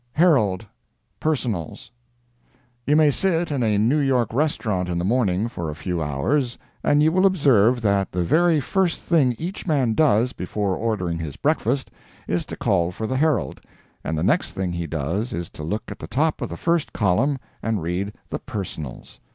"HERALD" "PERSONALS" You may sit in a New York restaurant in the morning for a few hours, and you will observe that the very first thing each man does, before ordering his breakfast, is to call for the Herald—and the next thing he does is to look at the top of the first column and read the "Personals."